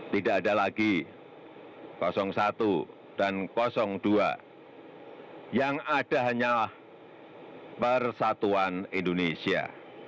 tidak ada lagi satu dan dua yang ada hanyalah persatuan indonesia